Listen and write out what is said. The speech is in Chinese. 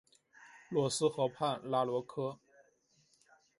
洛斯河畔拉罗科。